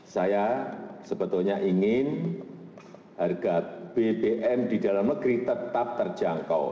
saya sebetulnya ingin harga bbm di dalam negeri tetap terjangkau